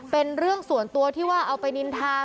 เป็นเรื่องส่วนตัวที่ว่าเอาไปนินทา